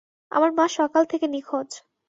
আমার মা সকাল থেকে নিখোঁজ।